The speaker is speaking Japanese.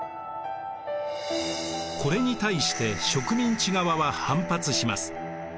これに対して植民地側は反発します。